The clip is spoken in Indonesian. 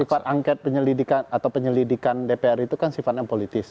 sifat angket penyelidikan atau penyelidikan dpr itu kan sifatnya politis